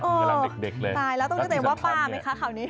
กำลังเด็กเลยตายแล้วต้องเต็มว่าปลามั๊ยคะคราวนี้